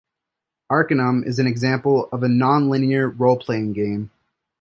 "Arcanum" is an example of a non-linear role-playing game.